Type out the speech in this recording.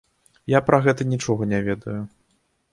Я пра гэта нічога не ведаю.